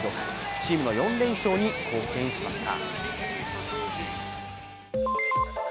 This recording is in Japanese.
チームの４連勝に貢献しました。